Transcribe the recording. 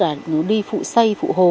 là đi phụ xây phụ hồ